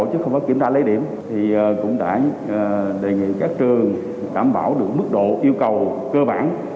chứ không có kiểm tra lấy điểm thì cũng đã đề nghị các trường đảm bảo được mức độ yêu cầu cơ bản